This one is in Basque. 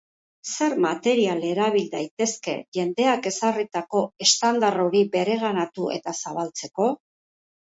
Zer material erabil daitezke jendeak ezarritako estandar hori bereganatu eta zabaltzeko?